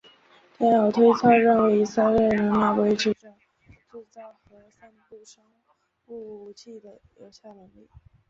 但有推测认为以色列仍然维持着制造和散布生物武器的有效能力。